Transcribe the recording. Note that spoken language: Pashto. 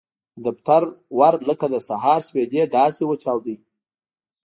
د دفتر ور لکه د سهار سپېدې داسې وچاوده.